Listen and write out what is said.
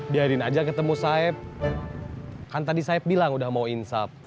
biarin aja ketemu saeb kan tadi saeb bilang udah mau insap